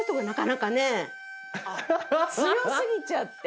強過ぎちゃって？